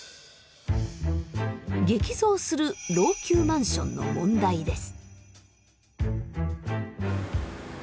激増する老朽マンションの問題です。